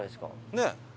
ねえ。